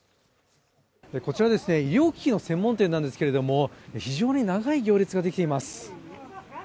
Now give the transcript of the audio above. こちら医療機器専門店なんですけれども非常に長い行列ができます